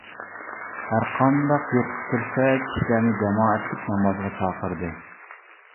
ھەر قانداق يۇرتقا كىرسە، كىشىلەرنى جامائەتلىك نامازغا چاقىردى.